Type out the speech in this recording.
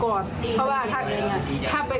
ก็ทะเลาะกันมาบ้างยั่วกันในโทรศัพท์มาแล้ว